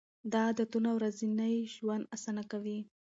دا عادتونه ورځنی ژوند اسانه کوي.